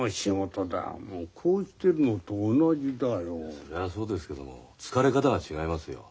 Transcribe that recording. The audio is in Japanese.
そりゃそうですけども疲れ方が違いますよ。